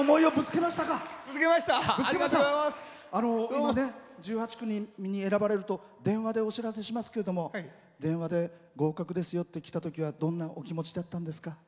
今、１８組に選ばれると電話でお知らせしますけど電話で合格ですよってきたときはどんなお気持ちだったんですか？